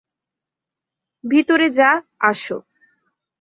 ভিতরে যা - আসো।